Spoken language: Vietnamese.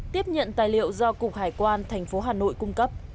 tiếp nhận tài liệu do cục hải quan thành phố hà nội cung cấp